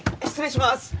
失礼します。